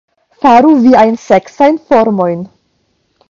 Faru viajn seksajn formojn